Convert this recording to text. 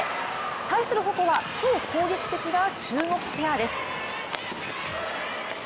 対するホコは超攻撃的な中国ペアです。